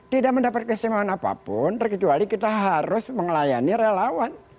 tidak mendapat keistimewaan apapun terkecuali kita harus mengelayani relawan